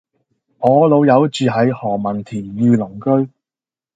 我老友住喺何文田御龍居